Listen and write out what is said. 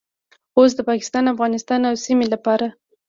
اوس د پاکستان، افغانستان او سیمې لپاره